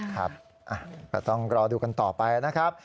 ก็ต้องรอดูกันต่อไปนะครับ